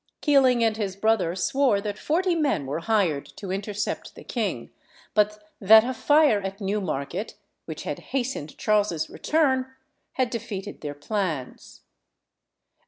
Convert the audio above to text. Keeling and his brother swore that forty men were hired to intercept the king, but that a fire at Newmarket, which had hastened Charles's return, had defeated their plans.